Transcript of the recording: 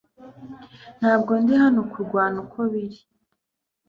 Ntabwo ndi hano kurwana uko biri